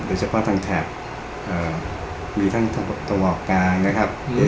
โดยเฉพาะทางแถบเอ่อมีทั้งทางตรงออกกลางนะครับอืม